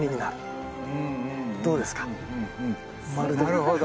なるほど。